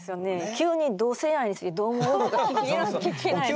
急に「同性愛についてどう思う？」とか聞けないですね。